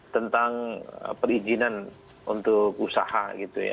tentang perizinan untuk usaha gitu ya